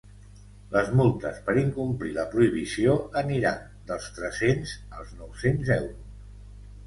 Les multes per incomplir la prohibició aniran dels tres-cents als nou-cents euros.